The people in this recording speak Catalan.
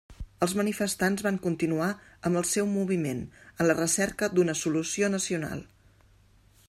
Els manifestants van continuar amb el seu moviment, en la recerca d'una solució nacional.